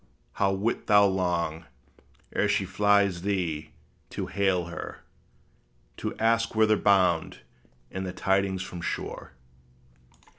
how wilt thou long, ere she flies thee, to hail her, To ask whither bound, and the tidings from shore!